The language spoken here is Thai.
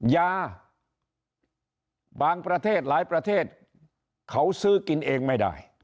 ยาบางประเทศหลายประเทศเขาซื้อกินเองไม่ได้